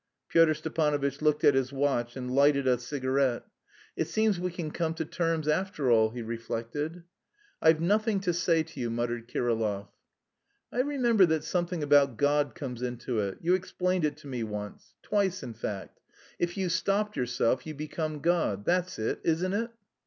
Pyotr Stepanovitch looked at his watch and lighted a cigarette. "It seems we can come to terms after all," he reflected. "I've nothing to say to you," muttered Kirillov. "I remember that something about God comes into it... you explained it to me once twice, in fact. If you stopped yourself, you become God; that's it, isn't it?"